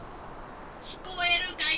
きこえるかい？